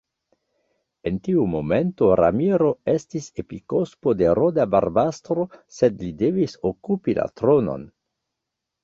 En tiu momento Ramiro estis episkopo de Roda-Barbastro, sed li devis okupi la tronon.